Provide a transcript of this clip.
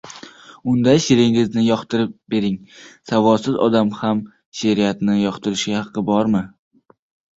Unda, she’ringizni yoqtirib bering! Savodsiz odam ham she’riyatni yoqtirishga haqqi bormi?